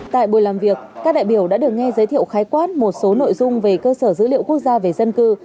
tại buổi làm việc các đại biểu đã được nghe giới thiệu khái quát một số nội dung về cơ sở dữ liệu quốc gia về dân cư